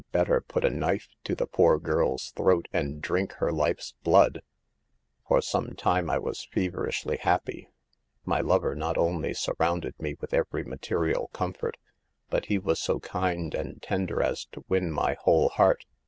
151 better put a knife to the poor girl's throat and drink her life's blood. " c For some time I was feverishly happy. My lover not only surrounded me with every material comfort, but he was so kind and tender as to win my whole heart.